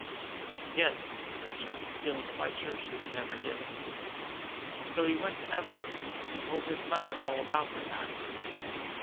"Yes," said John, feeling quite sure she would never give it. So he went to Epworth and told his mother all about the matter.